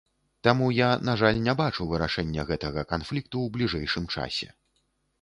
Таму я, на жаль, не бачу вырашэння гэтага канфлікту ў бліжэйшым часе.